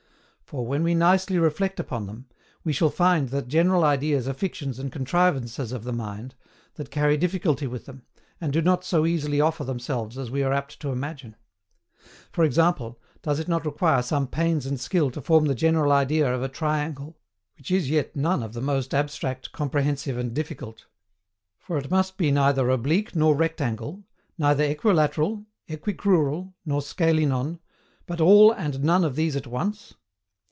For, when we nicely reflect upon them, we shall find that general ideas are fictions and contrivances of the mind, that carry difficulty with them, and do not so easily offer themselves as we are apt to imagine. For example, does it not require some pains and skill to form the general idea of a triangle (which is yet none of the most abstract, comprehensive, and difficult); for it must be neither oblique nor rectangle, neither equilateral, equicrural, nor scalenon, but ALL AND NONE of these at once?